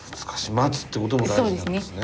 待つってことも大事なんですね。